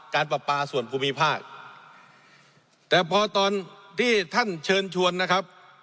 ประปาส่วนภูมิภาคแต่พอตอนที่ท่านเชิญชวนนะครับ